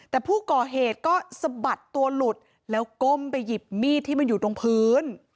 แต่ผู้ก่อเหตุก็สะบัดตัวหลุดแล้วก้มไปหยิบมีดที่มันอยู่ตรงพื้น